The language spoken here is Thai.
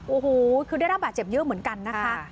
โอ้โหคือได้รับบาดเจ็บเยอะเหมือนกันนะคะ